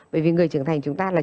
bởi vì người trưởng thành chúng ta là